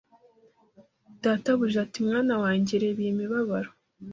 Databuja ati Mwana wanjye reba iyi mibabaro